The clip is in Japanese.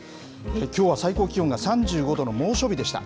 きょうは最高気温が３５度の猛暑日でした。